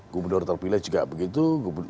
gubernur terpilih juga begitu